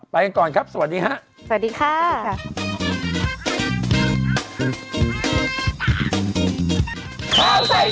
ไปกันก่อนครับสวัสดีค่ะ